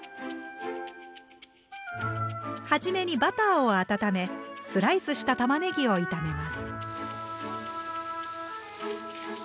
初めにバターを温めスライスしたたまねぎを炒めます。